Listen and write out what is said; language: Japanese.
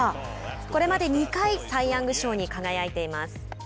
これまで２回サイ・ヤング賞に輝いています。